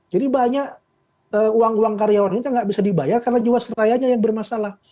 jadi banyak uang uang karyawan ini tidak bisa dibayar karena jiwasrayanya yang bermasalah